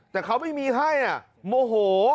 แต่เขาไม่มีให้โมโห